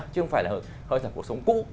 chứ không phải là hơi thở cuộc sống cũ